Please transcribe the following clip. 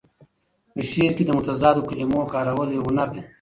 په شعر کې د متضادو کلمو کارول یو هنر دی.